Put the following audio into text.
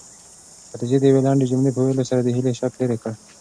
خدیجې د یوې لنډې جملې په ویلو سره د هیلې شک لیرې کړ.